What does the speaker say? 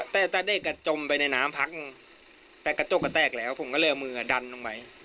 แต่เด็กจมไปในน้ำพักแต่กระจกก็แตกแล้วผมก็เลยเอามือดันลงไป